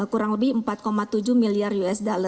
kurang lebih empat tujuh miliar usd